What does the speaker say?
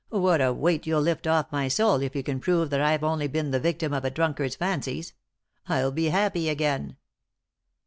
What a weight you'll lift off my soul if you can prove that I've only been the victim of a drunkard's fancies. I'll be happy again."